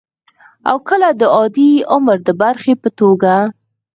او کله د عادي عمر د برخې په توګه